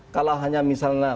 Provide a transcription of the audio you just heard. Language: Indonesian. kalau hanya misalnya